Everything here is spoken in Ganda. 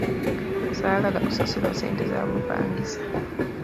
Saagala kusasula ssente za bupangisa.